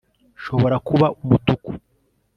nshobora kuba umutuku